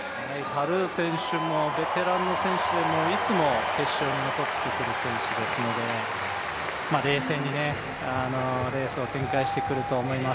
タルー選手もベテランの選手で、いつも決勝に残ってくる選手ですので、冷静にレースを展開してくると思います。